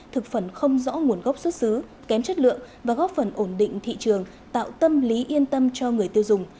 thực phẩm không rõ nguồn gốc xuất xứ kém chất lượng và góp phần ổn định thị trường tạo tâm lý yên tâm cho người tiêu dùng